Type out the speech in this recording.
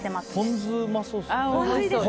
ポン酢、うまそうですね。